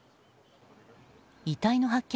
遺体の発見